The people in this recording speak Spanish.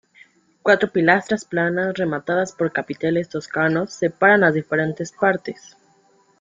Cuatro pilastras planas, rematadas por capiteles toscanos, separan las diferentes partes.